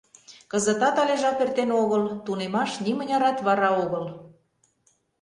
Кызытат але жап эртен огыл, тунемаш нимынярат вара огыл.